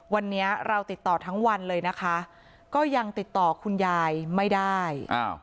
วันนี้เราติดต่อทั้งวันเลยนะคะก็ยังติดต่อคุณยายไม่ได้